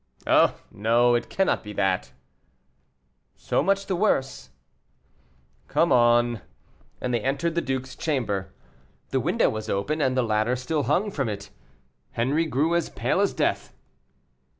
"Oh, no; it cannot be that." "So much the worse." "Come on;" and they entered the duke's chamber. The window was open, and the ladder still hung from it. Henri grew as pale as death.